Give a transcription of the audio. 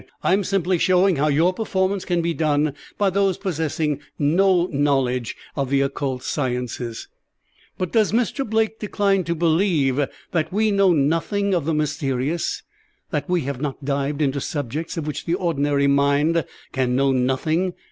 "I am simply showing how your performance can be done by those possessing no knowledge of the occult sciences." "But does Mr. Blake decline to believe that we know nothing of the mysterious that we have not dived into subjects of which the ordinary mind can know nothing?"